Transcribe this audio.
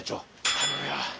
頼むよ。